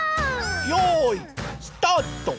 よういスタート。